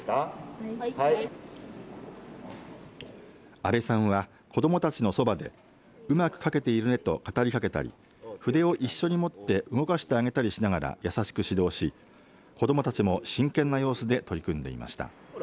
阿部さんは子どもたちのそばでうまく書けているねと語りかけたり筆を一緒に持って動かしてあげたりしながら優しく指導し子どもたちも真剣な様子で取り組んでいました。